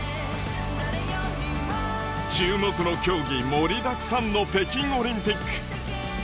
注目の競技盛りだくさんの北京オリンピック。